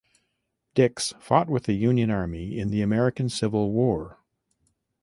Dix fought with the Union Army in the American Civil War.